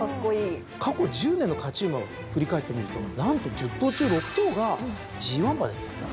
過去１０年の勝ち馬を振り返ってみると何と１０頭中６頭がＧⅠ馬ですからね。